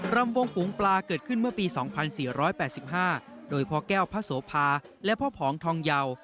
รำวงฝูงปลาเกิดขึ้นเมื่อปี๒๔๘๕โดยพ่อแก้วพระโสภาและพ่อผองทองเยา